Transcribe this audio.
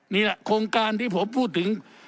นี่แหละโครงการที่ผมพูดถึง